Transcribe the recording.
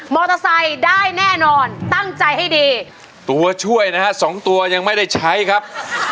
ได้แน่นอนตั้งใจให้ดีตัวช่วยนะฮะสองตัวยังไม่ได้ใช้ครับ